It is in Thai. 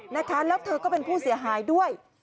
นะคะแล้วเธอก็เป็นผู้เสียหายด้วย